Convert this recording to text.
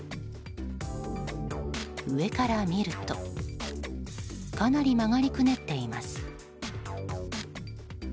上から見るとかなり曲がりくねっています。